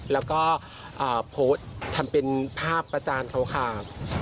แล้วก็โพสต์ทำเป็นภาพอาจารย์เขาค่ะ